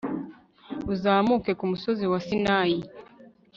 uzamuke ku musozi wa sinayi